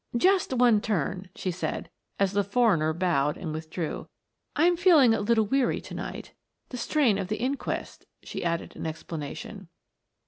"Just one turn," she said, as the foreigner bowed and withdrew. "I am feeling a little weary to night the strain of the inquest," she, added in explanation.